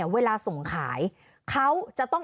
เวลาส่งขายเขาจะต้อง